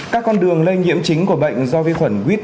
các con đường lây nhiễm chính của bệnh do vi khuẩn wh